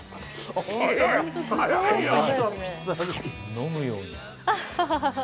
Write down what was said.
飲むように。